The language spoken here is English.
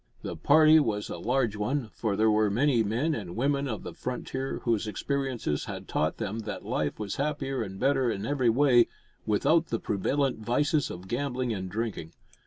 The party was a large one, for there were many men and women of the frontier whose experiences had taught them that life was happier and better in every way without the prevalent vices of gambling and drinking.